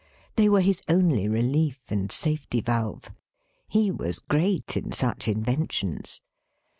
They were his only relief, and safety valve. He was great in such inventions.